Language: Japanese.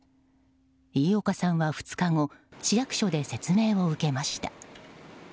飯岡さんは２日後市役所で説明を受けました。